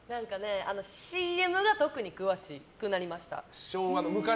ＣＭが特に詳しくなりました。